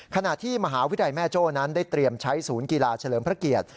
ขณะที่มหาวิทยาลัยแม่โจ้นั้นได้เตรียมใช้ศูนย์กีฬาเฉลิมพระเกียรติ